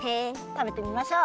たべてみましょう。